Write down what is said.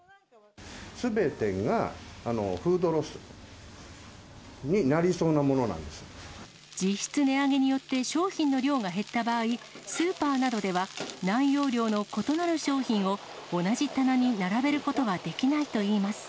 すべてがフードロスになりそ実質値上げによって、商品の量が減った場合、スーパーなどでは、内容量の異なる商品を、同じ棚に並べることはできないといいます。